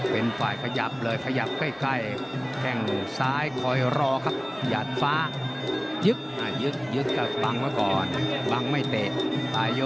เป็นฝ่ายขยับเลยขยับใกล้แข้งซ้ายคอยรอครับหยัดฟ้ายึกยึกยึกก็บังไว้ก่อนบังไม่เตะ